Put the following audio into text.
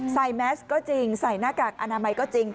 แมสก็จริงใส่หน้ากากอนามัยก็จริง